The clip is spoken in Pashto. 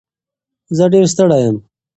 زه ډېر ستړی یم.